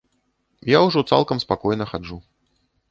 Я ўжо цалкам спакойна хаджу.